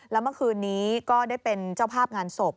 แล้วเมื่อคืนนี้ก็ได้เป็นเจ้าภาพงานศพ